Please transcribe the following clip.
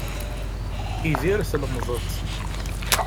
Idir tlemdeḍ.